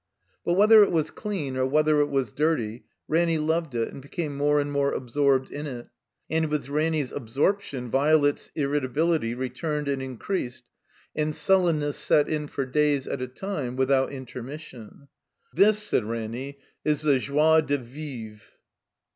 But whether it was dean or whether it was dirty, Ranny loved it, and became more and more absorbed in it. And with Ranny's absorption Violet's irritability returned and increased, and stillenness set in for days at a time without intermission. ''This,'' said Raimy, "is the joie de veeve.'